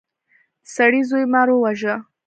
د سړي زوی مار وواژه.